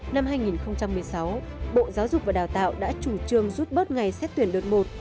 năm hai nghìn một mươi sáu bộ giáo dục và đào tạo đã chủ trương rút bớt ngày xét tuyển đợt một